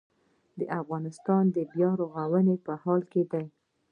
افغانستان د بیا رغونې په حال کې دی